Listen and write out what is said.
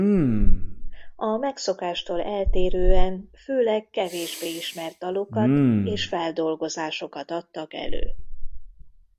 A megszokástól eltérően főleg kevésbé ismert dalokat és feldolgozásokat adtak elő.